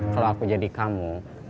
kalau aku jadi kamu